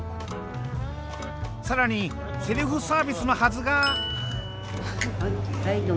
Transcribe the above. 更にセルフサービスのはずが。